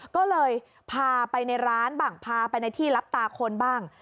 ก็เลยพาไปในร้านบ้างพาไปในที่รับตาคนบ้าง